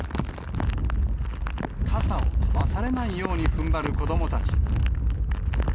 傘を飛ばされないようにふんばる子どもたち。